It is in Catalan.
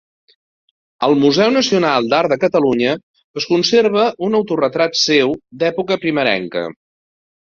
Al Museu Nacional d'Art de Catalunya es conserva un autoretrat seu d'època primerenca.